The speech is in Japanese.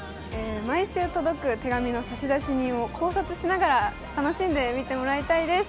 毎週届く手紙の差出人を考察しながら楽しんで見てもらいたいです。